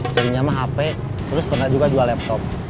jadinya mah hp terus pernah juga jual laptop